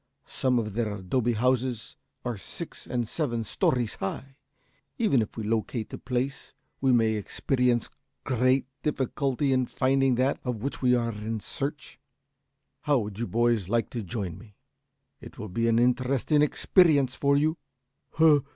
Some of their adobe houses are six and seven stories high. Even if we locate the place, we may experience great difficulty in finding that of which we are in search. How would you boys like to join me? It will be an interesting experience for you?"